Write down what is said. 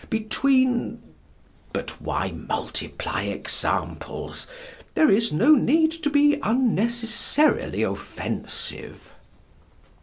between But why multiply examples? There is no need to be unnecessarily offensive.